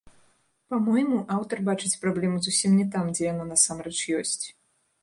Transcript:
Па-мойму, аўтар бачыць праблему зусім не там, дзе яна насамрэч ёсць.